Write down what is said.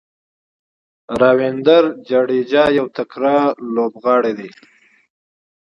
راوېندر جډیجا یو تکړه لوبغاړی دئ.